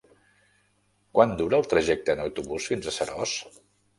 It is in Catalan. Quant dura el trajecte en autobús fins a Seròs?